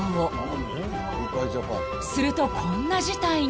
［するとこんな事態が］